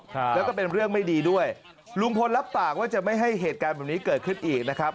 ครับแล้วก็เป็นเรื่องไม่ดีด้วยลุงพลรับปากว่าจะไม่ให้เหตุการณ์แบบนี้เกิดขึ้นอีกนะครับ